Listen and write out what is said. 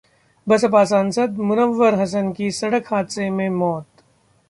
बसपा सांसद मुनव्वर हसन की सड़क हादसे में मौत